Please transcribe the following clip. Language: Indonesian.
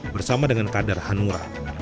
bersama dengan kadar hanura